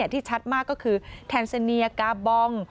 ที่ชัดมากก็คือแทนเซเนียกาบอง